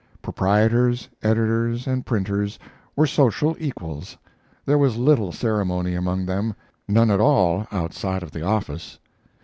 Proprietors, editors, and printers were social equals; there was little ceremony among them none at all outside of the office.